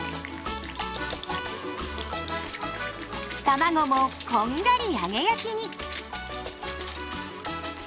たまごもこんがり揚げ焼きに。